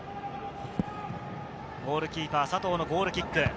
ゴールキーパー・佐藤のゴールキック。